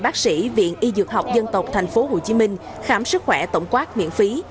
bác sĩ viện y dược học dân tộc tp hcm khám sức khỏe tổng quát miễn phí